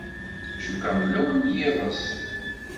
Cukkeɣ d lawan n yiḍes.